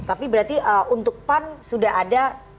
tapi berarti untuk pan sudah ada